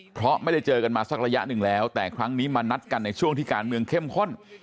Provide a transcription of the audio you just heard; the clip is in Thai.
เพราะไม่ได้เจอกันมาสักระยะหนึ่งแล้วแต่ครั้งนี้มานัดกันในช่วงที่การเมืองเข้มข้น